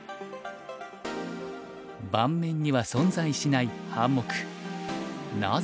盤面には存在しない半目。